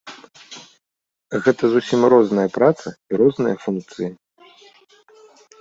Гэта зусім розная праца і розныя функцыі.